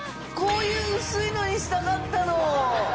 こういう薄いのにしたかったの！